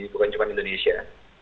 bukan cuma indonesia